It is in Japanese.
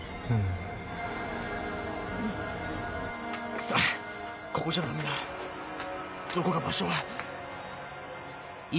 クソっここじゃダメだどこか場所は。